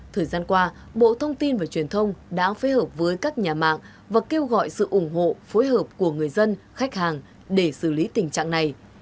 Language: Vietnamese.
thời gian qua bộ thông tin và truyền thông đã phối hợp với các nhà mạng và kêu gọi sự ủng hộ phối hợp của người dân khách hàng để xử lý tình trạng này